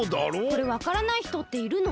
これわからないひとっているの？